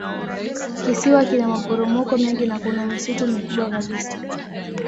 Kisiwa kina maporomoko mengi na kuna misitu mikubwa kabisa.